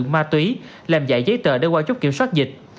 mà tùy làm dạy giấy tờ để qua chốt kiểm soát dịch